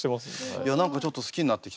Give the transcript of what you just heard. いや何かちょっと好きになってきた。